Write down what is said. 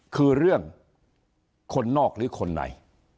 คือเรื่องคนนอกหรือคนไหน